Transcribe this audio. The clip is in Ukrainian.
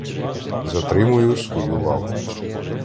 Затримую свою лаву.